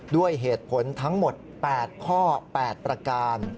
ด้วยเหตุผลทั้งหมด๘ข้อ๘ประการ